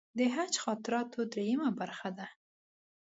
د حج خاطراتو درېیمه برخه ده.